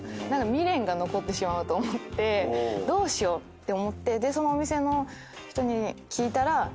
何か未練が残ってしまうと思ってどうしようって思ってそのお店の人に聞いたら。